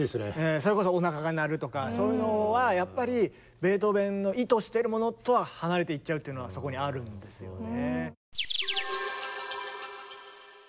それこそおなかが鳴るとかそういうのはやっぱりベートーベンの意図してるものとは離れていっちゃうっていうのはそこにあるんですよね。